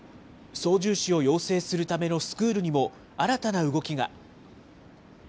操縦士を養成するためのスクールにも新たな動きが。